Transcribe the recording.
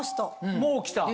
もう来た？